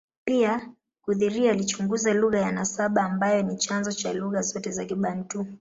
Pia, Guthrie alichunguza lugha ya nasaba ambayo ni chanzo cha lugha zote za Kibantu.